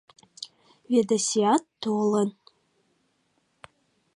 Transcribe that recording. Ведасиат толын.